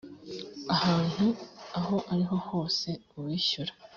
ahantu aho ariho hose uwishyura